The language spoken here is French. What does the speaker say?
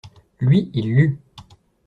Lui, il lut.